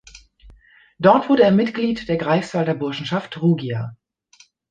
Dort wurde er Mitglied der Greifswalder Burschenschaft Rugia.